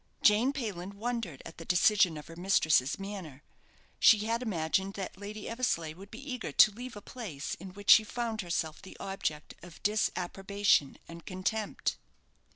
Jane Payland wondered at the decision of her mistress's manner. She had imagined that Lady Eversleigh would be eager to leave a place in which she found herself the object of disapprobation and contempt.